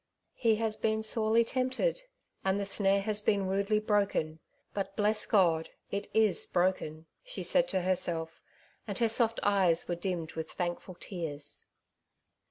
^' He has been sorely tempted, and the snare has been rudely broken ; but, bless God, it is broken," she said to herself, and her soft eyes were dimmed with thankful tears.